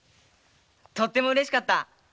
とてもうれしかった。